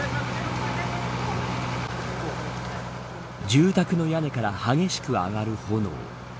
住宅の屋根から激しく上がる炎。